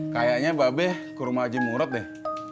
kayaknya mbak be ke rumah haji murad deh